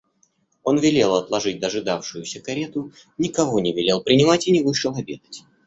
Он велел отложить дожидавшуюся карету, никого не велел принимать и не вышел обедать.